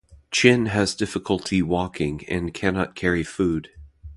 Chin has difficulty walking and cannot carry food.